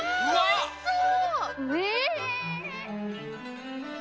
おいしそう！